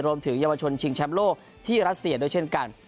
รวมถึงเยาวชนชิงแชมป์โลกที่รัสเซียด้วยเช่นกัน